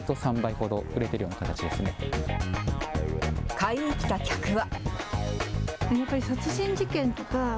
買いに来た客は。